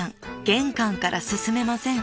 玄関から進めません］